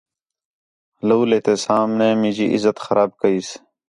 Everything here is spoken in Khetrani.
لَولے تے سامݨے مینجی عزت خراب کئیس